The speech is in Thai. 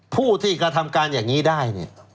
ผู้ที่กระทำการอย่างนี้ได้เนี่ย